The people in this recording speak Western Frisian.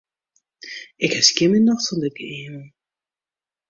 Ik ha skjin myn nocht fan dit geëamel.